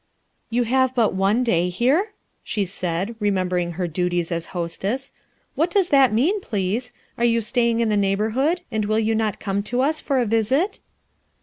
"You have but one day here?" she said, re membering her duties as hostess. "What does that mean, please ? Are you staying in the neigh borhood, and will you not come to us for a vfcit